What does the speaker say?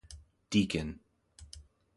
Deacon.